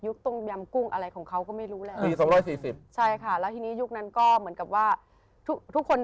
ยุคตุงเบียมกุ้ง